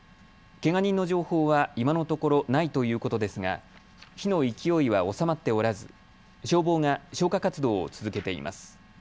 けが人の情報は今のところないということですが火の勢いは収まっておらず消防が消火活動を続けています。